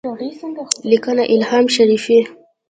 لیکنه : الهام شریفي